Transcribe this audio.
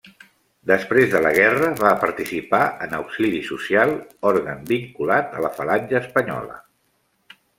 Després de la guerra, va participar en Auxili Social, òrgan vinculat a la Falange Espanyola.